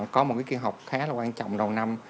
có một kỳ họp khá là quan trọng đầu năm